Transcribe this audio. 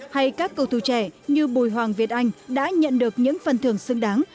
hay các cầu thủ trẻ như bùi hoàng việt anh đã nhận được những phần thưởng xứng đáng